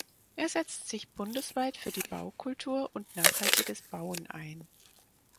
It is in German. Er setzt sich bundesweit für die Baukultur und nachhaltiges Bauen ein.